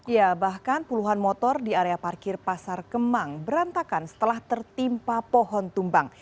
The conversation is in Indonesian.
ya bahkan puluhan motor di area parkir pasar kemang berantakan setelah tertimpa pohon tumbang